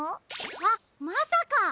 あっまさか！